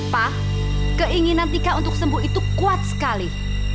pak keinginan tika untuk sembuh itu kuat sekali